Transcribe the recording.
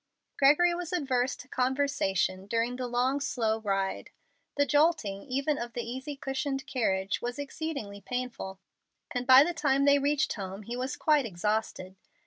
Gregory was averse to conversation during the long, slow ride. The jolting, even of the easy cushioned carriage, was exceedingly painful, and by the time they reached home he was quite exhausted.